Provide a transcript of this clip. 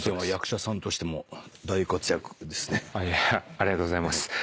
ありがとうございます。